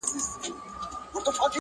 • مرغکۍ دلته ګېډۍ دي د اغزیو -